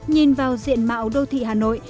nhìn vào diện mạo đô thị hà nội